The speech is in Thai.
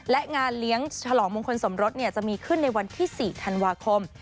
และงานเลี้ยงฉลองมงคลสมรสจะมีขึ้นในวันที่๔ธันวาคม